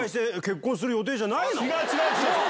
違う違う違う！